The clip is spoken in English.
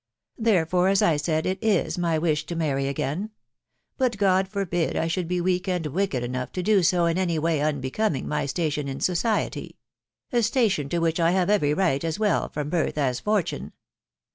•.• Therefore, as I said, it is my wish to marry again ; but God forbid I should be weak and wicked enough to do so in any way unbecoming my station in society, — a station to which I have every right, as well from birth as fortune.